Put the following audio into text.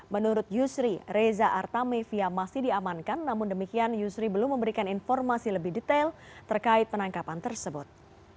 menurut yusri reza artamevia masih diamankan namun demikian yusri belum memberikan informasi lebih detail terkait penangkapan tersebut